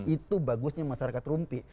itu bagusnya masyarakat rumpi